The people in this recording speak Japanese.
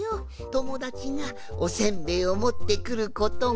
ともだちがおせんべいをもってくることがな。